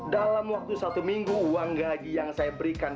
dalam waktu satu minggu uang gaji yang saya berikan